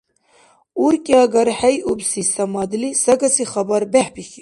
УркӀиагархӀейубси Самадли сагаси хабар бехӀбихьиб: